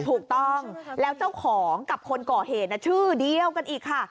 ถูกต้องแล้วเจ้าของกับคนก่อเหตุชื่อเดียวกันอีกค่ะ